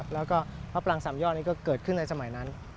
แล้วก็พระปรางสามยอดนี้ก็เกิดขึ้นในสมัยนั้น